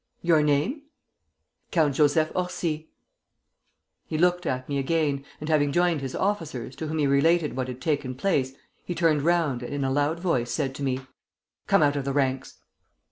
'Your name?' 'Count Joseph Orsi.' He looked at me again, and having joined his officers, to whom he related what had taken place, he turned round and in a loud voice said to me: 'Come out of the ranks.'